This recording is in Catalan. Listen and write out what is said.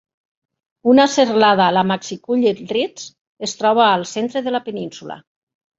Una serralada, la Macgillycuddy's Reeks, es troba al centre de la península.